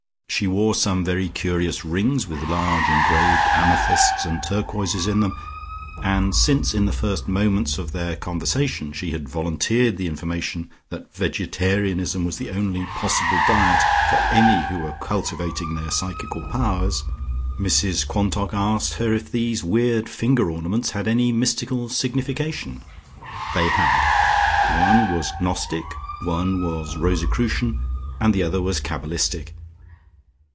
She wore some very curious rings with large engraved amethysts and turquoises in them, and since in the first moments of their conversation she had volunteered the information that vegetarianism was the only possible diet for any who were cultivating their psychical powers, Mrs Quantock asked her if these weird finger ornaments had any mystical signification. They had; one was Gnostic, one was Rosicrucian, and the other was Cabalistic....